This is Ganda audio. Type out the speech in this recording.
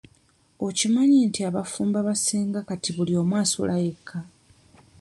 Okimanyi nti abafumbo abasinga kati buli omu asula yekka.?